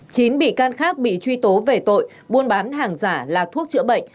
chín bị can khác bị truy tố về tội buôn bán hàng giả là thuốc chữa bệnh